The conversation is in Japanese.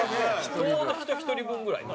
ちょうど人１人分ぐらいだ。